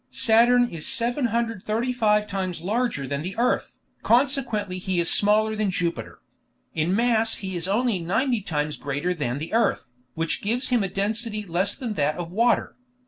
Saturn is 735 times larger than the earth, consequently he is smaller than Jupiter; in mass he is only 90 times greater than the earth, which gives him a density less than that of water.